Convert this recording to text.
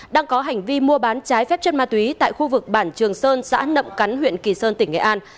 đang có hành vi mua bán trái phép chất ma túy tại khu vực bản trường sơn xã nậm cắn huyện kỳ sơn tỉnh nghệ an